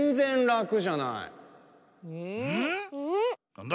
なんだ？